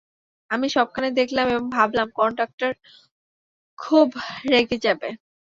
আমি সবখানে দেখলাম, এবং ভাবলাম কন্ডাক্টর খুব রেগে যাবে।